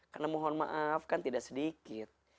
karena mohon maaf kan tidak sedikit